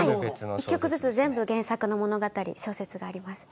１曲ずつ全部原作の物語小説があります。